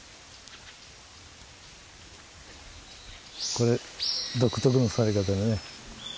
これ独特の座り方でね。